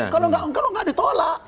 kalau tidak ditolak